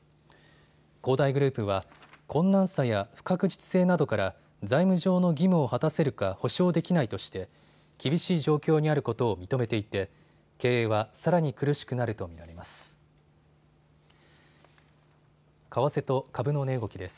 恒大グループは、困難さや不確実性などから財務上の義務を果たせるか保証できないとして厳しい状況にあることを認めていて経営はさらに苦しくなると見られます。